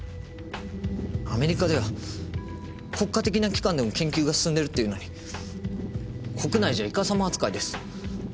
アメリカでは国家的な機関でも研究が進んでいるっていうのに国内じゃいかさま扱いです。